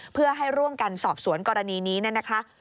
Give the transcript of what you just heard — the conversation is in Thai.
เพื่อให้ร่วมกันสอบสวนกรณีนี้นะคะ